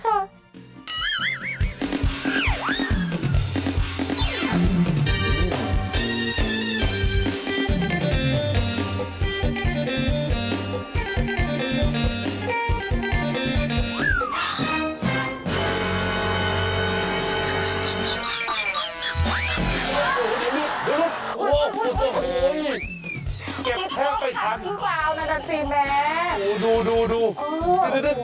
โหโหยจิ๊วท่าแ้งพื้นเรากับพี่สาวนานาทีแม่